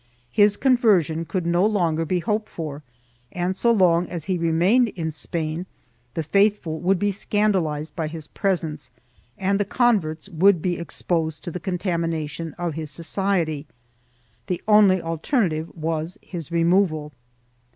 His conversion could no longer be hoped for and, so long as he remained in Spain, the faithful would be scandalized by his presence and the converts would be exposed to the contamination of his society. The only alternative was his removal.